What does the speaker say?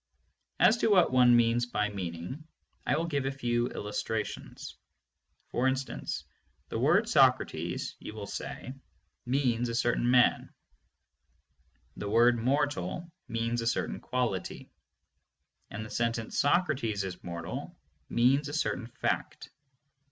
As to what one means by "meaning," I will give a few illustrations. For instance, the word "Socrates," you will say, means a certain man; the word "mortal" mean's a certain quality; and the sentence "Socrates is mortal" means a certain fact.